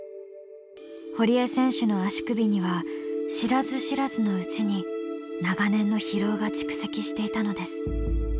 堀江選手の足首には知らず知らずのうちに長年の疲労が蓄積していたのです。